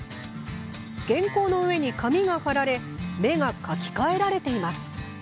原稿の上に紙が貼られ目が描き換えられています。